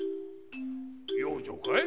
養生かい？